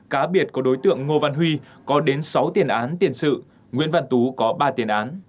cá biệt có đối tượng ngô văn huy có đến sáu tiền án tiền sự nguyễn văn tú có ba tiền án